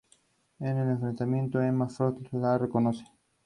Robin intenta besar a Bárbara de nuevo, pero ella lo rechaza.